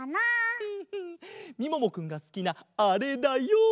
みももくんがすきなあれだよ！